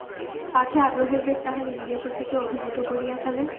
পাছে আগ্রহের বেগ তাহার ইন্দ্রিয়শক্তিকে অভিভূত করিয়া ফেলে।